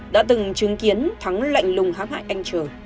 đã từng chứng kiến thắng lạnh lùng hám hại anh trường